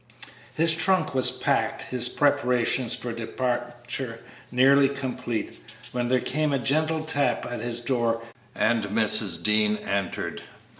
His trunk was packed, his preparations for departure nearly complete, when there came a gentle tap at his door, and Mrs. Dean entered.